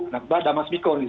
nah kebetulan ada mas miko disini